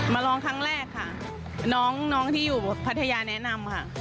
มาร้องครั้งแรกค่ะน้องที่อยู่พัทยาแนะนำค่ะ